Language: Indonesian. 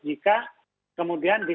jika kemudian dikomunikasi